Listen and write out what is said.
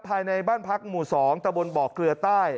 ภายในบ้านพักหมู่๒ตะบนบ่อเกลือใต้